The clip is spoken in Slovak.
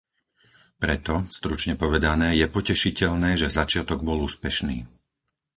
Preto, stručne povedané, je potešiteľné, že začiatok bol úspešný.